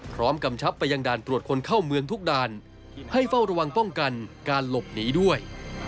กำชับไปยังด่านตรวจคนเข้าเมืองทุกด่านให้เฝ้าระวังป้องกันการหลบหนีด้วย